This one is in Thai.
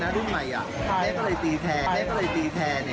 แม่ก็ถึงนางอามสมัยใยโยนใจที่ต้องกินกระบางอย่างนี้